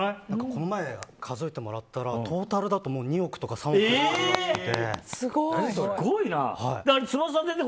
この前、数えてもらったらトータルだと２億とか３億とかあって。